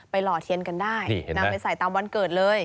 หล่อเทียนกันได้นำไปใส่ตามวันเกิดเลย